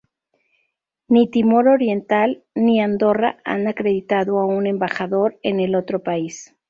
Ni Timor Oriental ni Andorra han acreditado a un embajador en el otro país.